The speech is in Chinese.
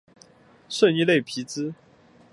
圣伊勒皮兹人口变化图示